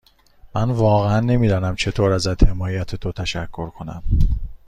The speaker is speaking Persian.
من واقعا نمی دانم چطور از حمایت تو تشکر کنم.